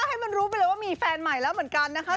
ให้มันรู้ไปเลยว่ามีแฟนใหม่แล้วเหมือนกันนะคะ